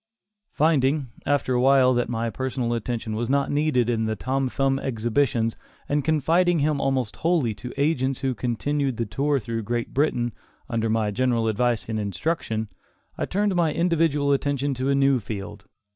Finding, after a while, that my personal attention was not needed in the Tom Thumb exhibitions and confiding him almost wholly to agents who continued the tour through Great Britain, under my general advice and instruction, I turned my individual attention to a new field.